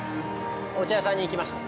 お茶屋さんに行きました。